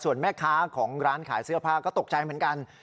ส่วนแม่ค้าของร้านขายเสื้อผ้าก็ตกใจเหมือนกัน